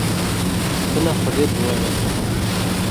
Bila Xwedê bi we re be!